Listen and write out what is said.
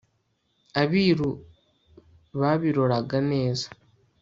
abiru babiroraga neza